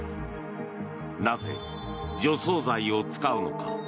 なぜ除草剤を使うのか。